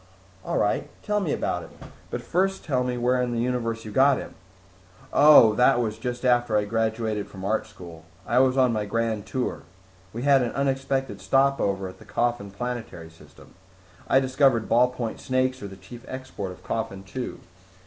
"All right, tell me about it. But first tell me where in the universe you got him." "Oh, that was just after I graduated from art school. I was on my grand tour. We had an unexpected stopover at the Coffin planetary system. I discovered ballpoint snakes are the chief export of Coffin Two.